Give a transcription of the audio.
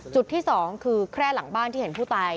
จุดที่๒คือแค่หลังบ้านที่เห็นผู้ตาย